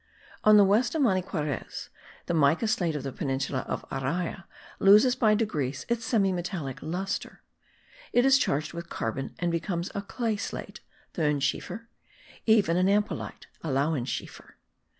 On the west of Maniquarez the mica slate of the peninsula of Araya loses by degrees its semi metallic lustre; it is charged with carbon, and becomes a clay slate (thonschiefer) even an ampelite (alaunschiefer).